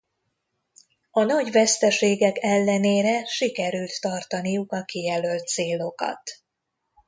A nagy veszteségek ellenére sikerült tartaniuk a kijelölt célokat.